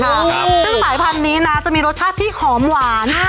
ซึ่งสายพันธุ์นี้นะจะมีรสชาติที่หอมหวาน